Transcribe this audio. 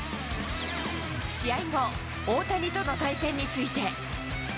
試合後、大谷との対戦について。